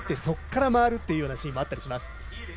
そこから回るというシーンもあったりします。